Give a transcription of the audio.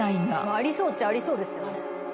ありそうっちゃありそうですよね。